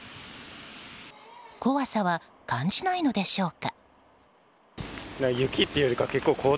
怖さは感じないのでしょうか。